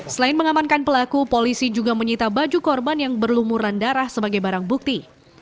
selain mengamankan pelaku polisi juga menyita baju korban yang berlumuran darah sebagai barang bukti